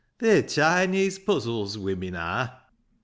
They're Chinese puzzles, women arr